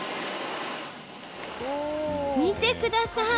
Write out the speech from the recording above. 見てください！